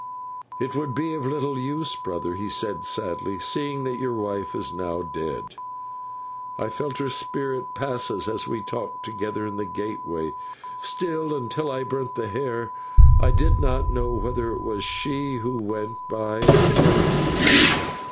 "'It would be of little use, brother,' he said, sadly, 'seeing that your wife is now dead. I felt her spirit pass us as we talked together in the gateway; still, until I burnt the hair, I did not know whether it was she who went by, or another.'